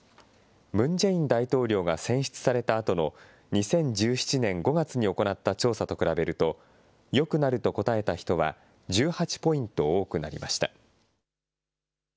ムン・ジェイン大統領が選出されたあとの２０１７年５月に行った調査と比べると、よくなると答えた人は１８ポイント多くなりました。